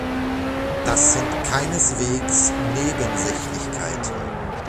Das sind keineswegs Nebensächlichkeiten.